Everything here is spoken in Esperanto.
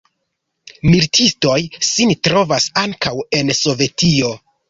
Militistoj sin trovas ankaŭ en Sovetio.